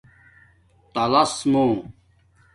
تالس مُو